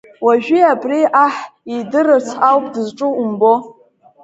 Уажәы абри аҳ иирдырырц ауп дызҿу умбо!